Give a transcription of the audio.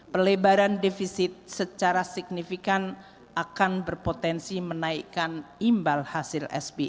pelebaran defisit secara signifikan akan berpotensi menaikkan imbal hasil sp